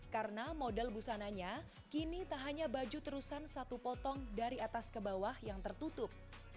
karena model busananya kini tak hanya baju terusan satu potong dari atas ke bawah yang tertutup